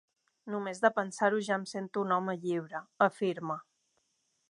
Només de pensar-ho ja em sento un home lliure, afirma.